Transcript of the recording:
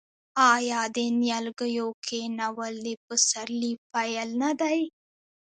آیا د نیالګیو کینول د پسرلي پیل نه دی؟